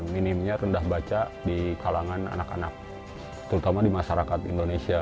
minimnya rendah baca di kalangan anak anak terutama di masyarakat indonesia